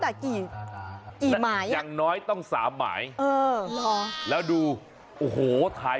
แต่กี่หมายอย่างน้อยต้องสามหมายเออหรอแล้วดูโอ้โหถ่าย